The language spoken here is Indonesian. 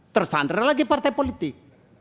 tersandra lagi partai politik